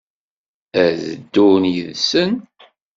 Ad ddun yid-sen?